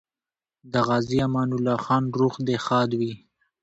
د غازي امان الله خان روح دې ښاد وي.